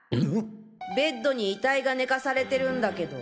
ベッドに遺体が寝かされてるんだけど。